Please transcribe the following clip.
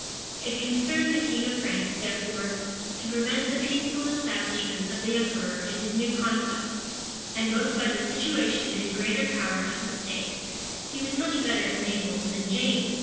It concerned the king of France, therefore, to prevent the peaceable establishment of the emperor in his new conquests; and both by the situation and greater power of his state, he was much better enabled than James to give succor to the distressed palatine.